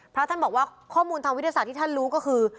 พระท่านบอกว่าข้อมูลทางวิทยาศาสตร์ที่ท่านรู้ก็คือ